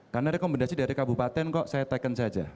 karena rekomendasi dari kabupaten kok saya tekensi saja